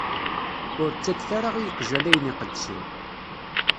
Ur ttaket ara i yiqjan ayen iqedsen.